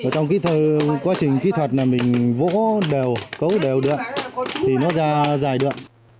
trong quá trình kỹ thuật là mình vỗ đều cấu đều được thì nó ra dài được